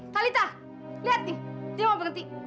kalitha lihat nih dia mau berhenti